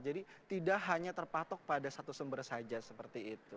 jadi tidak hanya terpatok pada satu sumber saja seperti itu